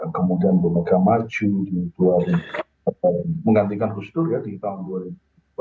kemudian bumega maju menggantikan khusus di tahun dua ribu empat